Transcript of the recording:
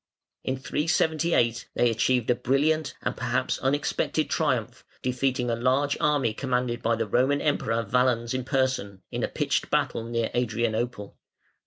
In 378 they achieved a brilliant, and perhaps unexpected, triumph, defeating a large army commanded by the Roman Emperor Valens in person, in a pitched battle near Adrianople.